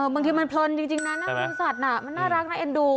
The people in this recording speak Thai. บางทีมันเพลินจริงนะคุณสัตว์น่ะมันน่ารักน่าเอ็นดู